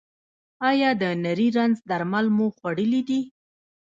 ایا د نري رنځ درمل مو خوړلي دي؟